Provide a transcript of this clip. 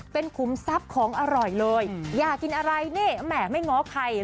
เป็นขุมทรัพย์ของอร่อยเลยอยากกินอะไรนี่แหมไม่ง้อใคร